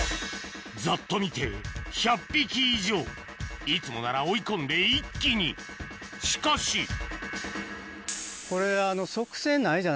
ざっと見て１００匹以上いつもなら追い込んで一気にしかしこれ。